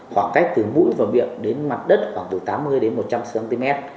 khoảng cách từ mũi và miệng đến mặt đất khoảng từ tám mươi đến một trăm linh cm